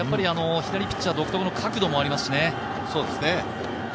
左ピッチャー独特の角度もありますしね。